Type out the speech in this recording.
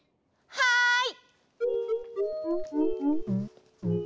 はい！